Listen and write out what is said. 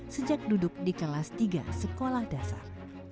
sejak duduk di kelas tiga sekolah dasar